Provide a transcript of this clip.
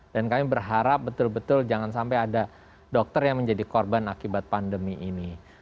dan kami berharap betul betul jangan sampai ada dokter yang menjadi korban akibat pandemi ini